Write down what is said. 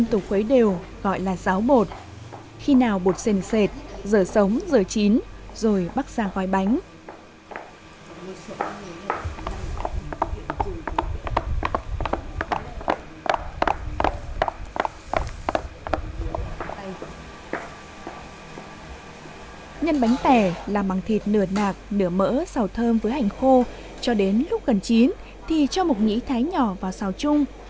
nhân bánh tẻ là bằng thịt nửa nạc nửa mỡ xào thơm với hành khô cho đến lúc gần chín thì cho một nhĩ thái nhỏ vào xào chung